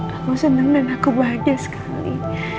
aku senang dan aku bahagia sekali